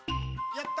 やった！